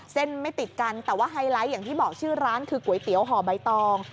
ไม่ติดกันแต่ว่าไฮไลท์อย่างที่บอกชื่อร้านคือก๋วยเตี๋ยวห่อใบตอง